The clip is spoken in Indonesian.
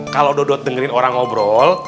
kalau dodot dengerin orang ngobrol